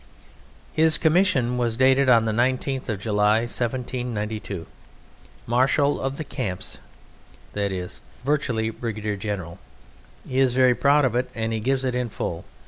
His commission was dated on the 19th of July, 1792; Marshal of the Camps, that is, virtually, brigadier general. He is very proud of it, and he gives it in full.